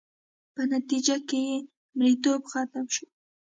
په نتیجه کې یې مریتوب ختم شو